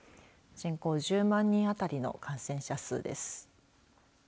人口１０万人あたりの感染者数です。